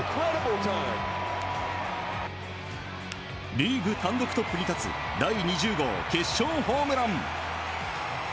リーグ単独トップに立つ第２０号決勝ホームラン。